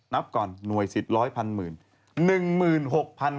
นับก่อนหน่วยศิษย์๑๐๐๐๐๐หมื่น